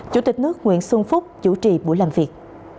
chủ tịch nước nguyễn xuân phúc chủ trì buổi làm việc